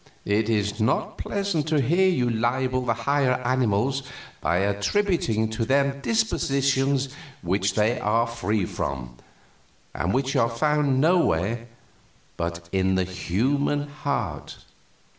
It is not pleasant to hear you libel the higher animals by attributing to them dispositions which they are free from, and which are found nowhere but in the human heart.